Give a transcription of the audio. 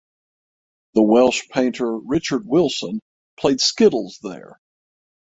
The Welsh painter Richard Wilson played skittles there.